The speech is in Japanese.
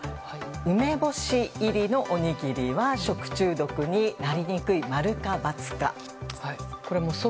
梅干し入りのおにぎりは食中毒になりにくい。